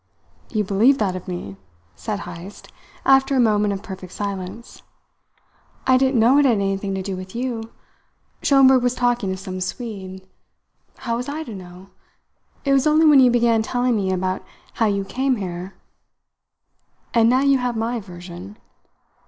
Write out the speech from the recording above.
"You believe that of me?" said Heyst, after a moment of perfect silence. "I didn't know it had anything to do with you. Schomberg was talking of some Swede. How was I to know? It was only when you began telling me about how you came here " "And now you have my version."